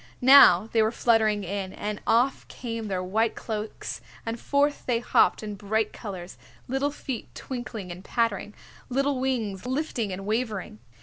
Now they were fluttering in, and off came their white cloaks and forth they hopped in bright colors, little feet twinkling and pattering, little wings lifting and wavering.